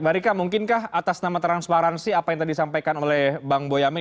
mbak rika mungkinkah atas nama transparansi apa yang tadi disampaikan oleh bang boyamin